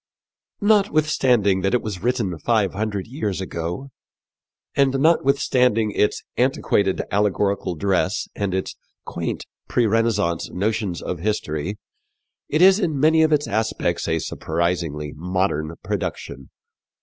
Notwithstanding that it was written five hundred years ago, and notwithstanding its "antiquated allegorical dress and its quaint pre Renaissance notions of history," it is in many of its aspects a surprisingly modern production.